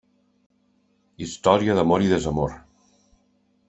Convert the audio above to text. Història d'amor i desamor.